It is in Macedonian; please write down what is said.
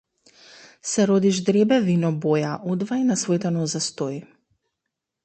Се роди ждребе вино-боја, одвај на своите нозе стои.